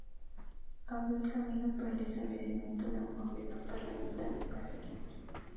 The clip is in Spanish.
Abrió el camino para el establecimiento de un gobierno parlamentario en Brasil.